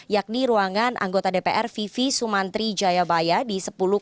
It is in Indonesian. yakni ruangan anggota dpr vivi sumantri jayabaya di sepuluh